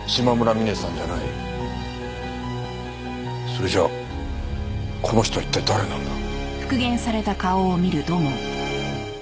それじゃこの人は一体誰なんだ？